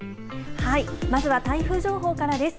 まずは台風情報からです。